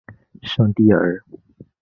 圣蒂尔。